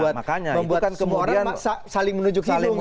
nah makanya itu kan semua orang saling menunjuk hidung gitu